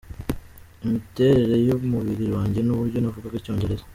Imiterere y’umubiri wanjye n’uburyo navugaga Icyongereza.